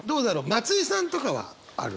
松居さんとかはある？